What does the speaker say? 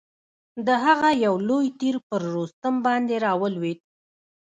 د هغه یو لوی تیر پر رستم باندي را ولوېد.